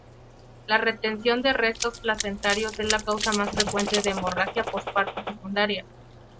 La retención de restos placentarios es la causa más frecuente de hemorragia posparto secundaria.